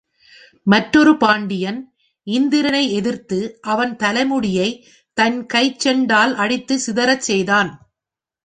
மற்றொரு பாண்டியன் இந்திரனை எதிர்த்து அவன் தலைமுடியைத் தன் கைச் செண்டால் அடித்துச் சிதறச் செய்தான்.